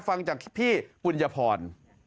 ฟังจากพี่ปุญญพร